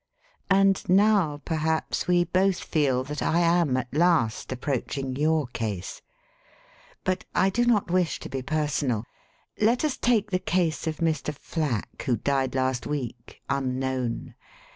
"And now, perhaps, we both feel that I am at last approaching your case. "But I do not wish to be personal. Let us take the case of Mr. Flack, who died last week, un known.